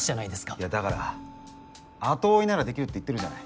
いやだから後追いならできるって言ってるじゃない。